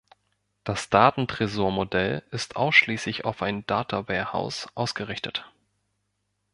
Das Datentresormodell ist ausschließlich auf ein Data-Warehouse ausgerichtet.